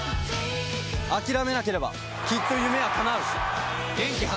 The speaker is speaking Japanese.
諦めなければきっと夢は叶う！